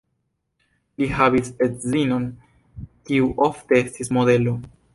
Li havis edzinon, kiu ofte estis modelo.